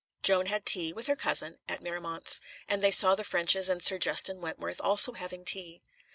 Joan had tea with her cousin at Miremont's; and they saw the Ffrenches and Sir Justin Wentworth, also having tea.